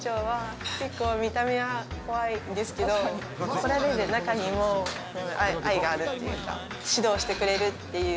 見た目は怖いんですけど怒られる中にも愛があるというか、指導してくれるっていう。